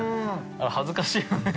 恥ずかしいよね。